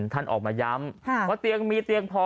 ท่านออกมาย้ำว่าเตียงมีเตียงพอ